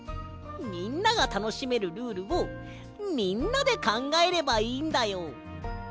みんながたのしめるルールをみんなでかんがえればいいんだよ。